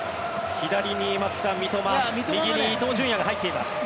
左に三笘右に伊東純也が入っています。